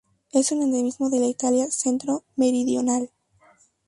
Es un endemismo de la Italia centro-meridional.